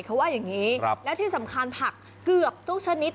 เขาว่าอย่างนี้และที่สำคัญผักเกือบทุกชนิด